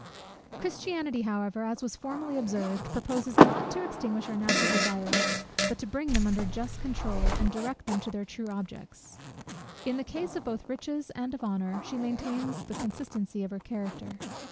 Christianity however, as was formerly observed, proposes not to extinguish our natural desires, but to bring them under just controul, and direct them to their true objects. In the case both of riches and of honour, she maintains the consistency of her character.